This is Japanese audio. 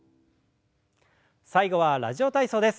最後は「ラジオ体操」です。